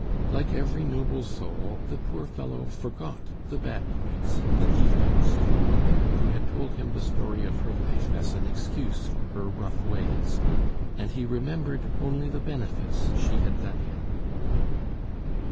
Like every noble soul, the poor fellow forgot the bad points, the defects of the woman who had told him the story of her life as an excuse for her rough ways, and he remembered only the benefits she had done him.